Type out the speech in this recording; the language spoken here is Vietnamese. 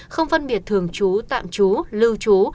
không phân biệt thường chú tạm chú lưu chú